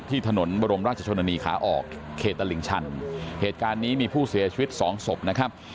ที่ถนนบรมราชชนนีขาออกเขตตลิ่งชันเหตุการณ์นี้มีผู้เสียชีวิตสองศพนะครับ